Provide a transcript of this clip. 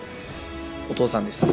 お父さんです。